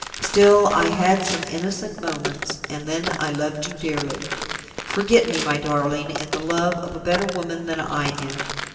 Still, I had some innocent moments, and then I loved you dearly. Forget me, my darling, in the love of a better woman than I am.